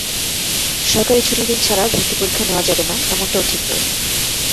সরকারি ছুটির দিন ছাড়া ভর্তি পরীক্ষা নেওয়া যাবে না, এমনটাও ঠিক নয়।